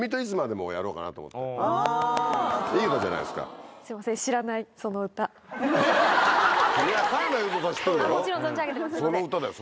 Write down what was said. もちろん存じ上げてます。